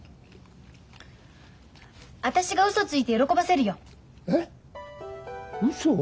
私がうそついて喜ばせるよ。えっ！？うそを？